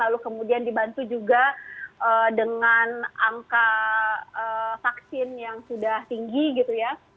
lalu kemudian dibantu juga dengan angka vaksin yang sudah tinggi gitu ya